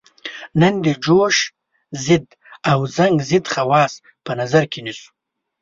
نن د جوش ضد او زنګ ضد خواص په نظر کې نیسو.